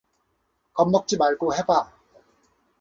겁먹지 말고 해 봐